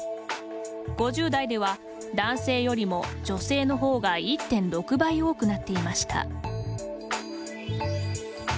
５０代では男性よりも、女性のほうが１．６倍多くなっていました。